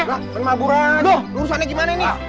loh belum maaf urusannya gimana ini